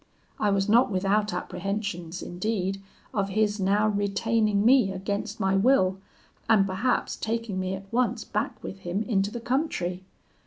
I was not without apprehensions indeed of his now retaining me against my will, and perhaps taking me at once back with him into the country.